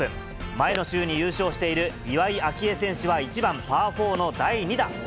前の週に優勝している岩井明愛選手は１番パー４の第２打。